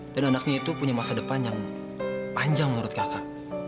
dan anaknya itu punya masa depan yang panjang menurut kakak